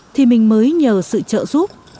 thì mình mới nhờ sự trợ giúp